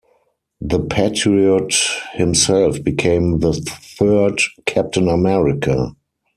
The Patriot himself became the third Captain America.